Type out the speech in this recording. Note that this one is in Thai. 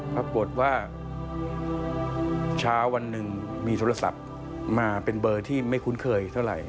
ปรากฏว่าเช้าวันหนึ่งมีโทรศัพท์มาเป็นเบอร์ที่ไม่คุ้นเคยเท่าไหร่